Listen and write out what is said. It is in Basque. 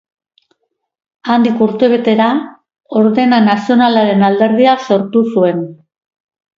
Handik urtebetera Ordena Nazionalaren Alderdia sortu zuen.